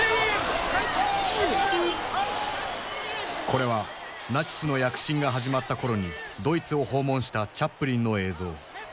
これはナチスの躍進が始まった頃にドイツを訪問したチャップリンの映像。